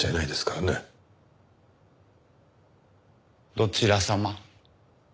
どちら様？